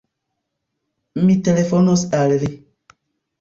Mi telefonos al li.